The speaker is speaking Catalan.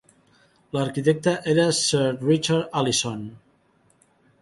L'arquitecte era Sir Richard Allison.